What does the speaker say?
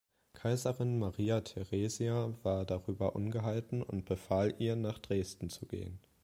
Kaiserin Maria Theresia war darüber ungehalten und befahl ihr, nach Dresden zu gehen.